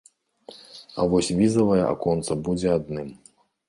А вось візавае аконца будзе адным.